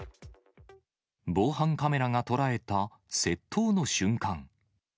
防犯カメラが捉えた窃盗の瞬間。